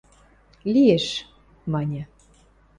– Лиэш, – маньы.